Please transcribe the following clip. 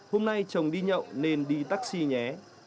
hôm nay chồng đi nhậu nên đi taxi nhé